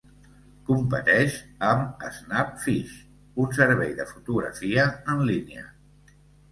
Competeix amb Snapfish, un servei de fotografia en línia.